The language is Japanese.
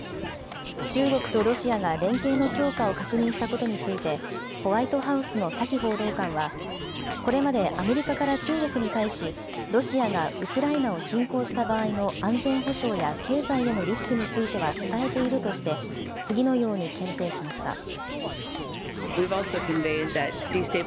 中国とロシアが連携の強化を確認したことについて、ホワイトハウスのサキ報道官は、これまでアメリカから中国に対し、ロシアがウクライナを侵攻した場合の安全保障や経済へのリスクについては伝えているとして、次のようにけん制しました。